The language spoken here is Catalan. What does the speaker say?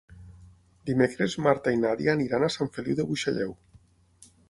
Dimecres na Marta i na Nàdia aniran a Sant Feliu de Buixalleu.